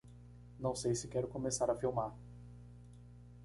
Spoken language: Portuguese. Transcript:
Não sei se quero começar a filmar.